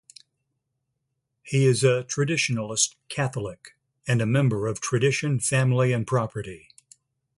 He is a Traditionalist Catholic and a member of Tradition, Family and Property.